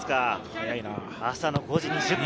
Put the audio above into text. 朝の５時２０分。